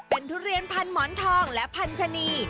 เป็นทุเรียนพันหมอนทองและพันธนี